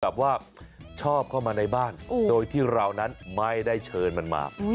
แบบว่าชอบเข้ามาในบ้านโดยที่เรานั้นไม่ได้เชิญมันมา